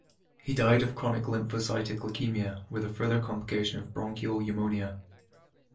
He died of chronic lymphocytic leukaemia, with a further complication of bronchial pneumonia.